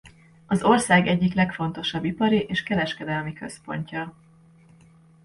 Az ország egyik legfontosabb ipari és kereskedelmi központja.